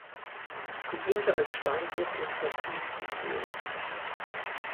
Sie diente als Steinbruch und verfiel zusehends.